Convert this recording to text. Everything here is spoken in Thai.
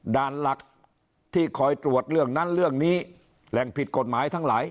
ด่านหลักที่คอยตรวจเรื่องนั้นเรื่องนี้แหล่งผิดกฎหมายทั้งหลาย